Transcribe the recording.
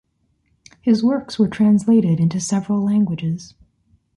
His works were translated into several languages.